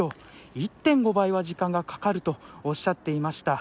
１．５倍は時間がかかるとおっしゃっていました。